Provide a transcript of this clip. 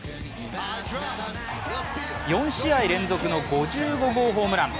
４試合連続の５５号ホームラン。